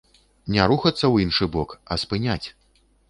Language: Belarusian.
Не рухацца ў іншы бок, а спыняць.